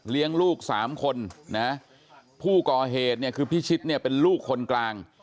เลี้ยงลูก๓คนผู้ก่อเหตุคือพี่ชิดเป็นลูกคนกลาง